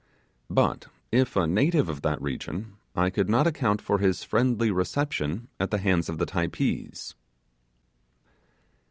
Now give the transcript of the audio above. But, if a native of that region, I could not account for his friendly reception at the hands of the Typees.